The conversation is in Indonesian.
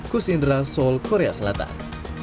kusindra seoul korea selatan